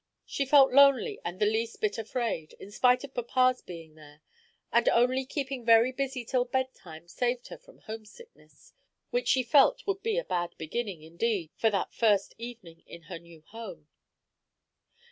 She felt lonely and the least bit afraid, in spite of papa's being there; and only keeping very busy till bedtime saved her from homesickness, which she felt would be a bad beginning, indeed, for that first evening in her new home.